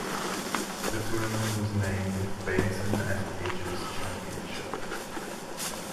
The tournament was named Benson and Hedges Championship.